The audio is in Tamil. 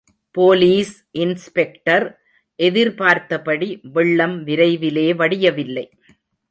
போலீஸ் இன்ஸ்பெக்டர் எதிர்பார்த்தபடி வெள்ளம் விரைவிலே வடியவில்லை.